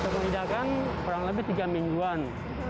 untuk mengindahkan kurang lebih tiga mingguan